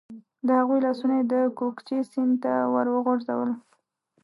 د هغوی لاسونه یې د کوکچې سیند ته ور وغورځول.